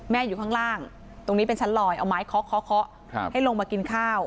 อยู่ข้างล่างตรงนี้เป็นชั้นลอยเอาไม้เคาะเคาะให้ลงมากินข้าว